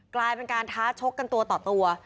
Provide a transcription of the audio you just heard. กลายเป็นการท้าชกกันตัวต่อตัว